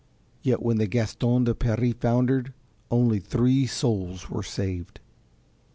Yet when the Gaston de Paris foundered only three souls were saved.